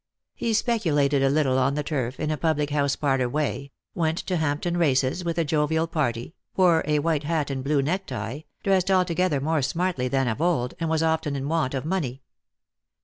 He speculated a little on the turf, in a public house parlour way, went to Hampton races with a jovial party, wore a white hat and blue necktie, dressed altogether more smartly than of old, and was often in want of money.